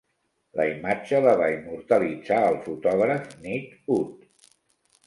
La imatge la va immortalitzar el fotògraf Nick Ut.